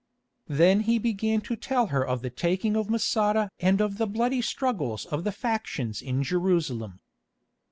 Then he began to tell her of the taking of Masada and of the bloody struggles of the factions in Jerusalem.